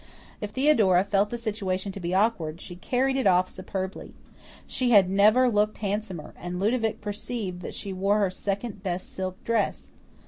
If Theodora felt the situation to be awkward, she carried it off superbly. She had never looked handsomer, and Ludovic perceived that she wore her second best silk dress.